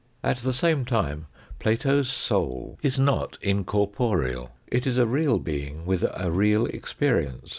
At the same time Plato's soul is not incorporeal. It is a real being with a real experience.